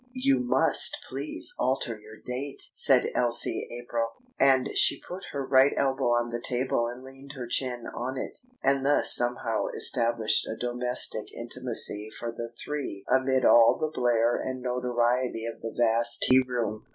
"You must please alter your date," said Elsie April. And she put her right elbow on the table and leaned her chin on it, and thus somehow established a domestic intimacy for the three amid all the blare and notoriety of the vast tea room.